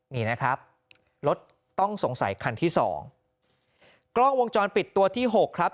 นี่นะครับรถต้องสงสัยคันที่สองกล้องวงจรปิดตัวที่หกครับ